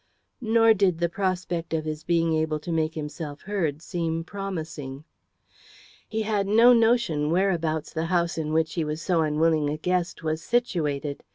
Nor did the prospect of his being able to make himself heard seem promising. He had no notion whereabouts the house in which he was so unwilling a guest was situated.